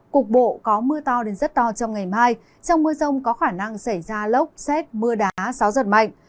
cục bộ có mưa to đến rất to trong ngày mai trong mưa rông có khả năng xảy ra lốc xét mưa đá gió giật mạnh